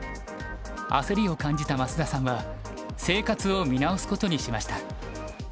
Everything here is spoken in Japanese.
焦りを感じた増田さんは生活を見直すことにしました。